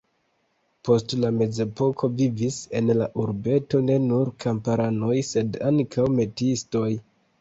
Post la mezepoko vivis en la urbeto ne nur kamparanoj, sed ankaŭ metiistoj.